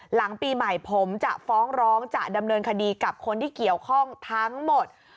หลังปีใหม่ผมจะฟ้องร้องจะดำเนินคดีกับคนที่เกี่ยวข้องทั้งหมด